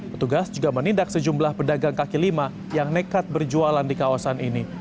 petugas juga menindak sejumlah pedagang kaki lima yang nekat berjualan di kawasan ini